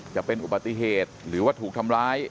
จะเป็นอุบัติเหตุหรือว่าถูกทำร้าย